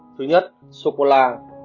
thứ nhất sô cô la